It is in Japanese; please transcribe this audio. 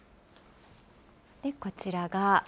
で、こちらが。